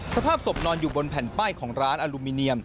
สภาพศพนอนอยู่บนแผ่นป้ายของร้านอลูมิเนียม